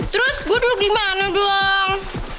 terus gue duduk di mana doang